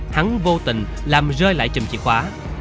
hắn vô tình làm rơi lại trùm chìa khóa